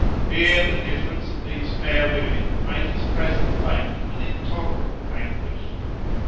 Here the difference of these fair women made his present fate an intolerable anguish.